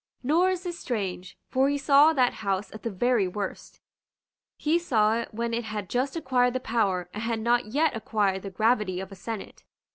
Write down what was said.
Nor is this strange; for he saw that House at the very worst. He saw it when it had just acquired the power and had not yet acquired the gravity of a senate.